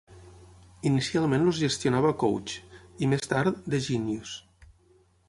Inicialment els gestionava Coach, i més tard The Genius.